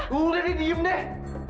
lu udah nih diem deh